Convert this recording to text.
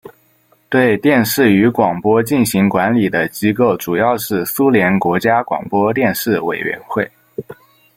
对电视与广播进行管理的机构主要是苏联国家广播电视委员会。